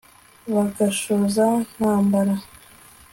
bagashoza ntambara